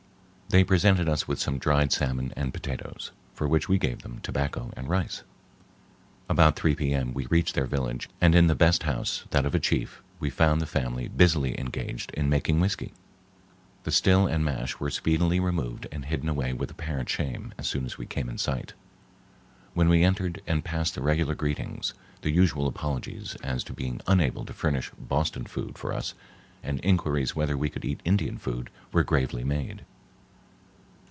They presented us with some dried salmon and potatoes, for which we gave them tobacco and rice. About 3 P.M. we reached their village, and in the best house, that of a chief, we found the family busily engaged in making whiskey. The still and mash were speedily removed and hidden away with apparent shame as soon as we came in sight. When we entered and passed the regular greetings, the usual apologies as to being unable to furnish Boston food for us and inquiries whether we could eat Indian food were gravely made.